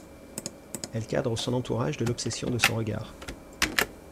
Elle cadre son entourage de l'obsession de son regard.